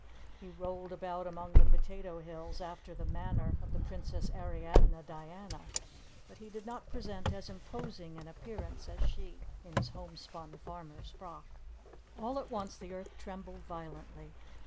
He rolled about among the potato hills after the manner of the Princess Ariadne Diana; but he did not present as imposing an appearance as she, in his homespun farmer's frock. All at once the earth trembled violently.